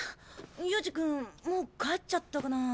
悠仁君もう帰っちゃったかな？